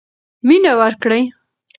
مینه ورکړئ.